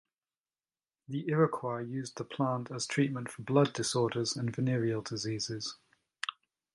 The Iroquois used the plant as treatment for blood disorders and venereal diseases.